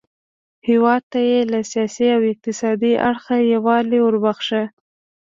هیواد ته یې له سیاسي او اقتصادي اړخه یووالی وروباښه.